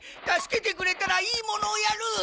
助けてくれたらいいものをやる！